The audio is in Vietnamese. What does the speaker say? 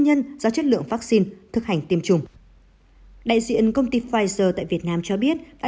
nhân do chất lượng vaccine thực hành tiêm chủng đại diện công ty pfizer tại việt nam cho biết